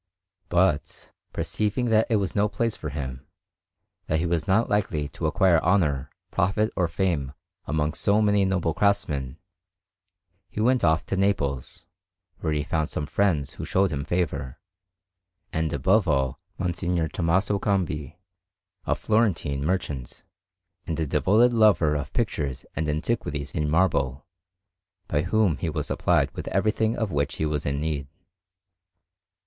But, perceiving that it was no place for him, and that he was not likely to acquire honour, profit, or fame among so many noble craftsmen, he went off to Naples, where he found some friends who showed him favour, and above all M. Tommaso Cambi, a Florentine merchant, and a devoted lover of pictures and antiquities in marble, by whom he was supplied with everything of which he was in need.